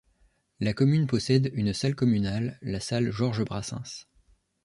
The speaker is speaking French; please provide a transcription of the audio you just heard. La commune possède une salle communale, la salle Georges-Brassens.